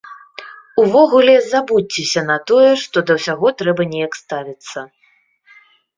Увогуле, забудзьцеся на тое, што да ўсяго трэба неяк ставіцца.